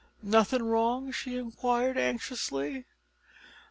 "Nothing wrong?" she inquired anxiously.